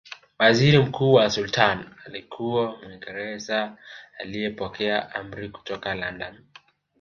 Waziri mkuu wa Sultani alikuwa Mwingereza aliyepokea amri kutoka London